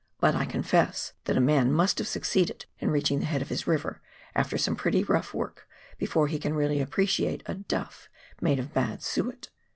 But I confess that a man must have succeeded in reaching the head of his river, after some pretty rough work, before he can really appreciate a " duff " made of bad suet